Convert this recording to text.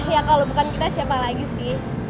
ya kalau bukan kita siapa lagi sih